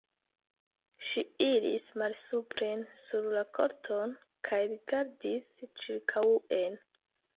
Ŝi iris malsupren sur la korton kaj rigardis ĉirkaŭen.